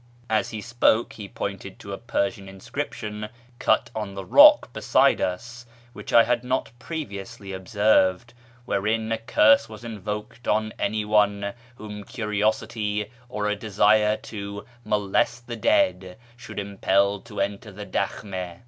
As he spoke he pointed to a Persian inscription cut on the rock beside us, which I had not previously observed, wherein a curse was invoked on anyone whom curiosity, or a desire "to molest the dead," should impel to enter the daklwU.